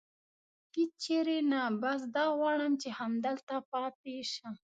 هېڅ چېرې نه، بس دا غواړم چې همدلته پاتې شم.